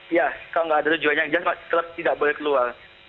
iya kalau tidak ada tujuannya kita tidak boleh keluar